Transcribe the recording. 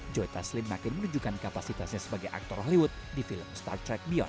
joy taslim makin menunjukkan kapasitasnya sebagai aktor hollywood di film star trek beyond